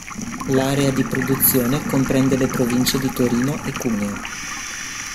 L'area di produzione comprende le province di Torino e Cuneo.